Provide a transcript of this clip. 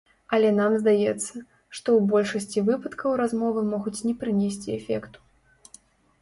Але нам здаецца, што ў большасці выпадкаў размовы могуць не прынесці эфекту.